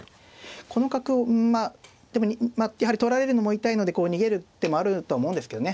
この角をまあやはり取られるのも痛いのでこう逃げる手もあると思うんですけどね。